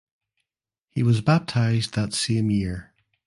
He was baptized that same year.